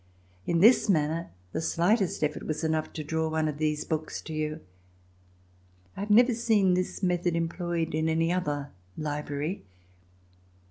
In this manner, the slightest effort was enough to draw one of these books to you. I have never seen this method em ployed in any other library.